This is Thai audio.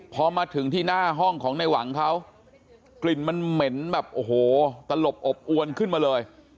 พอมาถึงที่หน้าห้องของในหวังเขากลิ่นมันเหม็นแบบโอ้โหตลบอบอวนขึ้นมาเลย